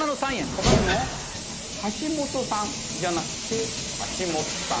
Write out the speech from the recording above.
他にも「橋本さん」じゃなくて「はしもっさん」。